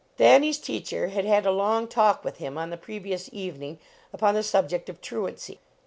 Thanny s teacher had had a long talk with him on the previous evening upon the subject of truancy.